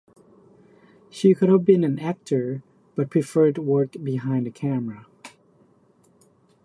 She could have been an actor, but preferred work behind the camera.